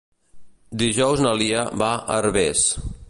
Dijous na Lia va a Herbers.